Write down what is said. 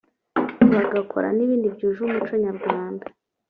bagakora n’ibindi byuje umuco Nyarwanda